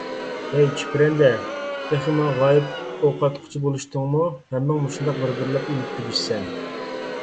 ھەي چۈپرەندە، تېخى ماڭا غايىب ئوق ئاتقۇچى بولۇشتۇڭمۇ، ھەممىڭ مۇشۇنداق بىر - بىرلەپ ئۆلۈپ تۈگىشىسەن!